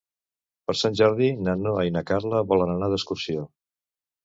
Per Sant Jordi na Noa i na Carla volen anar d'excursió.